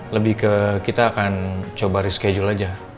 lebih ke kita akan coba reschedule aja